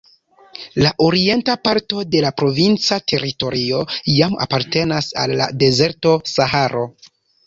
La orienta parto de la provinca teritorio jam apartenas al la dezerto Saharo.